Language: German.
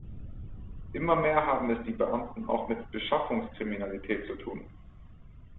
Immer mehr haben es die Beamten auch mit Beschaffungskriminalität zu tun.